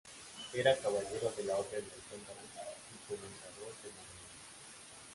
Era caballero de la orden de Alcántara y comendador de Moraleja.